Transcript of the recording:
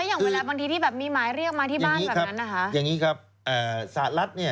อ้าวแล้วอย่างเวลาบางทีที่แบบมีไม้เรียกมาที่บ้านแบบนั้นนะฮะ